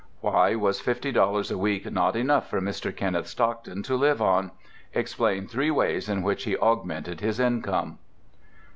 Why was fifty dollars a week not enough for Mr. Kenneth Stockton to live on? Explain three ways in which he augmented his income.